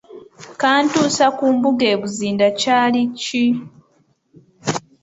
Kantuusa ku mbuga e Buzinde Kyali ki?